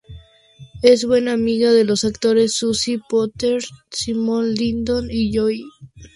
Es buena amiga de los actores Susie Porter, Simon Lyndon y Joel Edgerton.